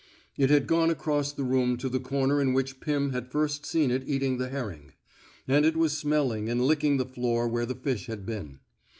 It had gone across the room to the comer in which Pim had first seen it eating the herring, and it was smelling and licking the floor where the fish had been.